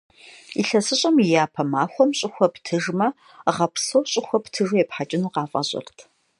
ИлъэсыщӀэм и япэ махуэм щӀыхуэ птыжмэ, гъэ псор щӀыхуэ птыжу епхьэкӀыну къафӀэщӏырт.